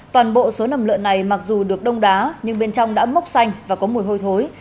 toàn bộ số nầm lợn này mặc dù được đông đá nhưng bên trong đã mốc xanh và có mùi hôi thối